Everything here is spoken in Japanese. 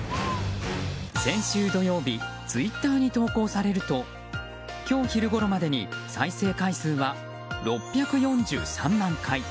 先週土曜日ツイッターに投稿されると今日昼ごろまでに再生回数は６４３万回。